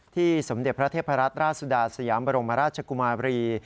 สมเด็จพระเทพรัตนราชสุดาสยามบรมราชกุมาบรี